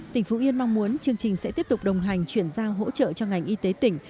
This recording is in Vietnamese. tỉnh phú yên mong muốn chương trình sẽ tiếp tục đồng hành chuyển giao hỗ trợ cho ngành y tế tỉnh